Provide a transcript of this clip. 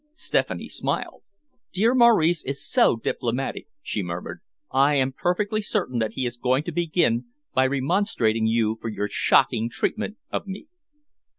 Stephanie smiled. "Dear Maurice is so diplomatic," she murmured. "I am perfectly certain he is going to begin by remonstrating you for your shocking treatment of me."